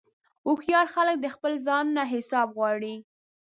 هوښیار خلک د خپل ځان نه حساب غواړي.